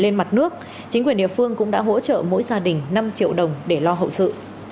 lên mặt nước chính quyền địa phương cũng đã hỗ trợ mỗi gia đình năm triệu đồng để lo hậu sự